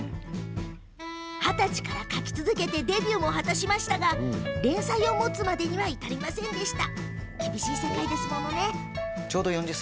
二十歳から描き続けデビューを果たしましたが連載を持つことはできませんでした。